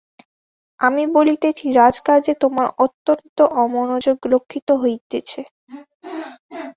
আমি বলিতেছি, রাজকার্যে তােমার অত্যন্ত অমনােযােগ লক্ষিত হইতেছে।